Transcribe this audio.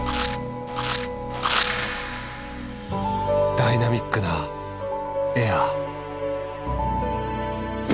ダイナミックなエア。